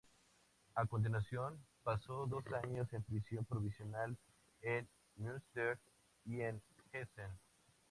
A continuación pasó dos años en prisión provisional en Münster y en Essen.